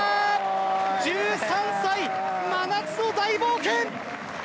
１３歳、真夏の大冒険！